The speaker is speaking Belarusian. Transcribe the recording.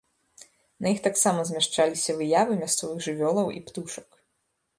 На іх таксама змяшчаліся выявы мясцовых жывёлаў і птушак.